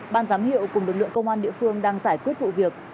ban giám hiệu cùng lực lượng công an địa phương đang giải quyết vụ việc